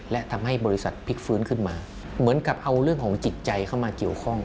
และทำให้บริษัทพลิกฟื้นขึ้นมาเหมือนกับเอาเรื่องของจิตใจเข้ามาเกี่ยวข้อง